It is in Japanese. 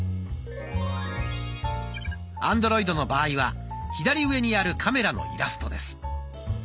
アンドロイドの場合は左上にあるカメラのイラストです。